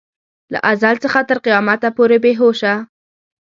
له ازل څخه تر قیامته پورې بې هوشه.